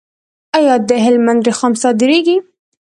آیا د هلمند رخام صادریږي؟